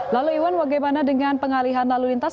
lalu iwan bagaimana dengan pengalihan lalu lintas